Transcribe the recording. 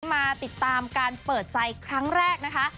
มาติดตามการเปิดใจครั้งแรกนะคะ